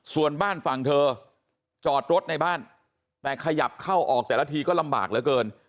ส่วนบ้านฝั่งเธอจอดรถในบ้านแต่ขยับเข้าออกแต่ละทีก็ลำบากเหลือเกิน